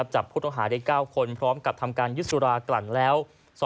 จับผู้ต้องหาได้๙คนพร้อมกับทำการยึดสุรากลั่นแล้ว